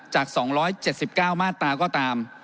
จาก๒๗๙มาตราก็ตาม